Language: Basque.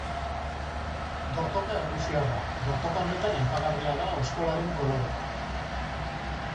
Dortoka errusiarra: dortoka honetan aipagarria da oskolaren kolorea.